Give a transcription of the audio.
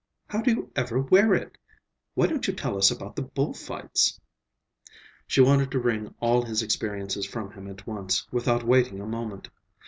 How do you ever wear it? Why don't you tell us about the bull fights?" She wanted to wring all his experiences from him at once, without waiting a moment.